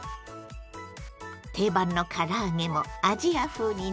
定番のから揚げもアジア風に大変身！